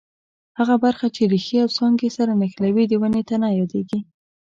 هغه برخه چې ریښې او څانګې سره نښلوي د ونې تنه یادیږي.